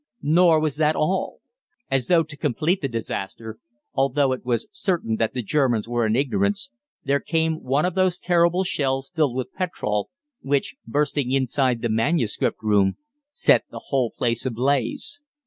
Nor was that all. As though to complete the disaster although it was certain that the Germans were in ignorance there came one of those terrible shells filled with petrol, which, bursting inside the manuscript room, set the whole place ablaze.